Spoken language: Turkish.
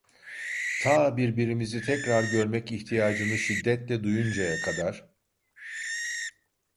Ta birbirimizi tekrar görmek ihtiyacını şiddetle duyuncaya kadar…